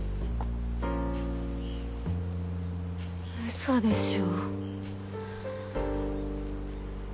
嘘でしょ。